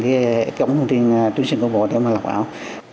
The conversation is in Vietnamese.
cái cổng thông tin tuyển sinh của bộ để mà lọc ảo